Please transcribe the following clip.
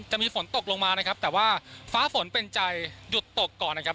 จะมีฝนตกลงมานะครับแต่ว่าฟ้าฝนเป็นใจหยุดตกก่อนนะครับ